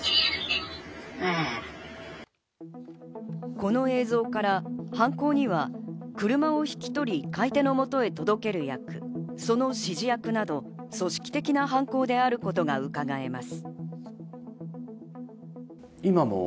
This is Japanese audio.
この映像から犯行には車を引き取り買い手の元へ届ける役、その指示役など、組織的な犯行であることがうかがえます。